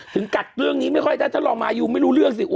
กัดเรื่องนี้ไม่ค่อยได้ถ้ารองมายูไม่รู้เรื่องสิ